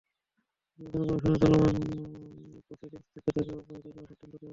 নির্বাচন কমিশনের চলমান প্রসিডিংস থেকে তাঁকে অব্যাহতি দেওয়ার সিদ্ধান্ত দেওয়া হলো।